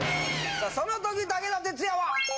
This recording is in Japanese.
その時武田鉄矢は？